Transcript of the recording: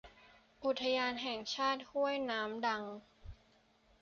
อุทยานแห่งชาติห้วยน้ำดัง